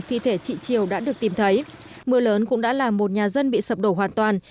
thi thể chị triều đã được tìm thấy mưa lớn cũng đã làm một nhà dân bị sập đổ hoàn toàn